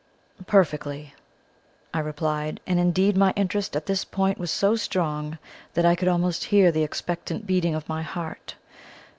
"Perfectly," I replied; and, indeed, my interest at this point was so strong that I could almost hear the expectant beating of my heart.